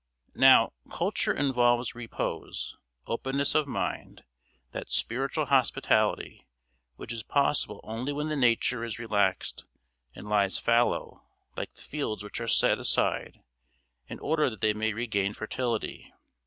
Now, culture involves repose, openness of mind, that spiritual hospitality which is possible only when the nature is relaxed and lies fallow like the fields which are set aside in order that they may regain fertility.